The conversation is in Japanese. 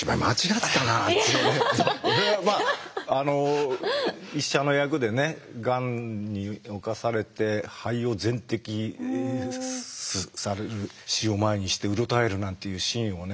俺はまあ医者の役でねがんに侵されて肺を全摘出される死を前にしてうろたえるなんていうシーンをね